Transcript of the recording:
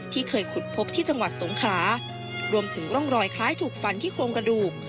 เคยขุดพบที่จังหวัดสงขลารวมถึงร่องรอยคล้ายถูกฟันที่โครงกระดูก